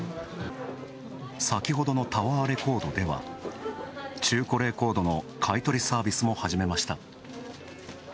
先ほどのタワーレコードでは中古レコードの買い取りサービスも始めました。